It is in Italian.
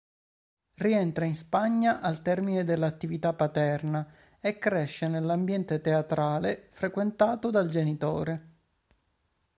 Rientra in Spagna al termine dell'attività paterna e cresce nell'ambiente teatrale frequentato dal genitore.